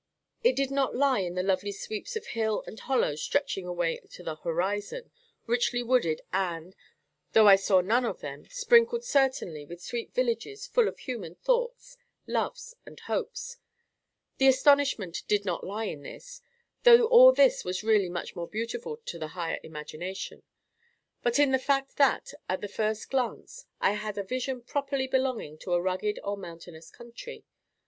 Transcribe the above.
It did not lie in the lovely sweeps of hill and hollow stretching away to the horizon, richly wooded, and—though I saw none of them—sprinkled, certainly with sweet villages full of human thoughts, loves, and hopes; the astonishment did not lie in this—though all this was really much more beautiful to the higher imagination—but in the fact that, at the first glance, I had a vision properly belonging to a rugged or mountainous country.